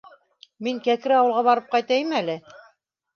Мин Кәкре ауылға барып ҡайтайым әле...